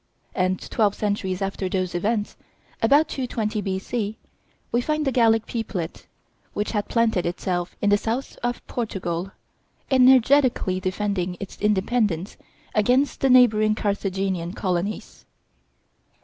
And twelve centuries after those events, about 220 B.C., we find the Gallic peoplet, which had planted itself in the south of Portugal, energetically defending its independence against the neighboring Carthaginian colonies.